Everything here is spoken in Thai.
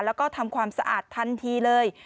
แล้วก็ทำความสะอาดทันทีเลย